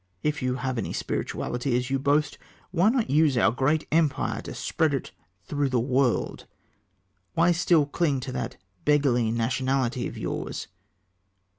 "If you have any spirituality as you boast, why not use our great empire to spread it through the world, why still cling to that beggarly nationality of yours?